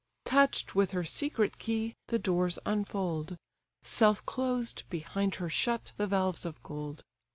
Touch'd with her secret key, the doors unfold: Self closed, behind her shut the valves of gold.